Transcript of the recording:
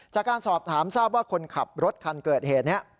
จากการสอบถามทราบว่าคนขับรถคันเกิดเหตุนี้